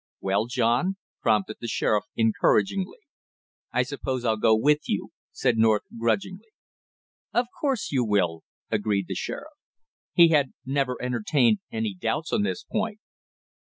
"Well, John?" prompted the sheriff encouragingly. "I suppose I'll go with you," said North grudgingly. "Of course you will," agreed the sheriff. He had never entertained any doubts on this point.